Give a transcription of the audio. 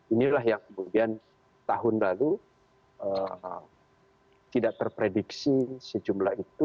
inilah yang kemudian tahun lalu tidak terprediksi sejumlah itu